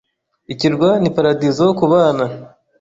Ikirwa ni paradizo kubana.